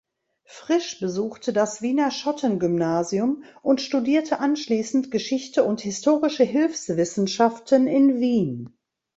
Frisch besuchte das Wiener Schottengymnasium und studierte anschließend Geschichte und historische Hilfswissenschaften in Wien.